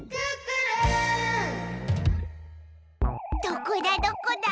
どこだどこだ？